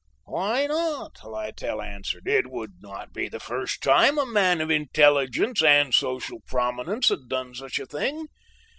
"Why not?" Littell asked; "it would not be the first time a man of intelligence and social prominence had done such a thing.